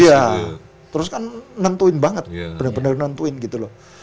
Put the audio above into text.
iya terus kan nentuin banget bener bener nentuin gitu loh